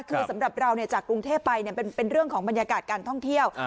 คือสำหรับเราจากกรุงเทพไปเป็นเรื่องของบรรยากาศการท่องเที่ยว